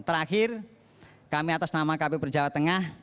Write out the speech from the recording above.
terakhir kami atas nama kpu jawa tengah